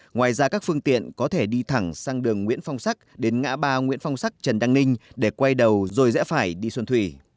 ngoài ra các phương tiện có thể đi thẳng sang đường nguyễn phong sắc đến ngã ba nguyễn phong sắc trần đăng ninh để quay đầu rồi rẽ phải đi xuân thủy